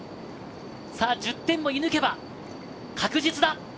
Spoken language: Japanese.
１０点を射抜けば確実だ。